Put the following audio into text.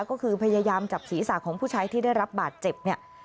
ก็คือพยายามจับศีรษะของผู้ชายที่ได้รับบาดเจ็บเนี่ย